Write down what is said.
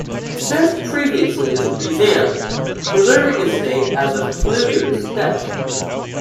It served previously as a museum, preserving its state as of Kluger's death.